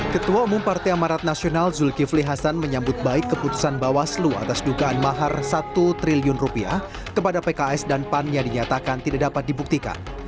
ketua umum partai amarat nasional zulkifli hasan menyambut baik keputusan bawaslu atas dugaan mahar rp satu triliun rupiah kepada pks dan pan yang dinyatakan tidak dapat dibuktikan